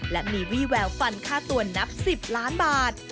และมีวี่แววฟันค่าตัวนับ๑๐ล้านบาท